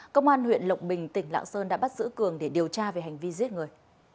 công an huyện lộc bình tỉnh lạng sơn đã bắt giữ cường để điều tra về hành vi giết người